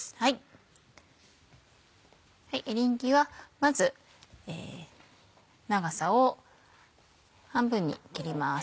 エリンギはまず長さを半分に切ります。